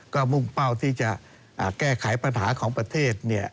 ก็มุ่งเป้าที่จะแก้ไขปัญหาของประเทศ